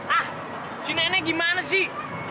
ah si nenek gimana sih